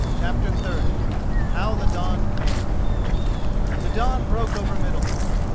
CHAPTER XXX HOW THE DAWN CAME The dawn broke over Middalhof.